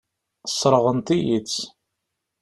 Sseṛɣent-iyi-tt.